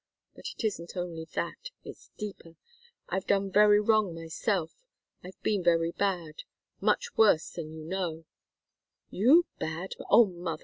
But it isn't only that it's deeper. I've done very wrong myself. I've been very bad much worse than you know " "You, bad? Oh, mother!